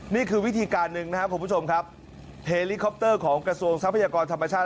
นี่คือวิธีการหนึ่งนะครับคุณผู้ชมครับเฮลิคอปเตอร์ของกระทรวงทรัพยากรธรรมชาติ